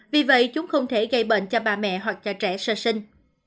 vì vậy chúng không thể gây bệnh cho ba mẹ hoặc trẻ sơ sinh